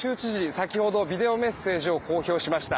先ほどビデオメッセージを公表しました。